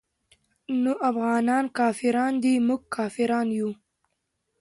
نو افغانان کافران دي موږ کافران يو.